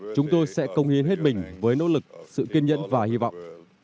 chúng tôi sẽ công hiến hết mình với nỗ lực sự kiên nhẫn và hy vọng